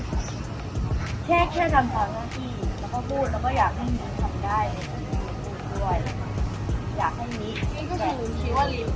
ได้ทำจำงานยังไงอะไรที่ได้อะไรพวกนี้